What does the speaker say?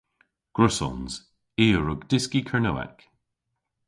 Gwrussons. I a wrug dyski Kernewek.